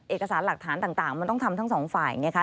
เอกสารหลักฐานต่างมันต้องทำทั้ง๒ฝ่ายอย่างนี้ค่ะ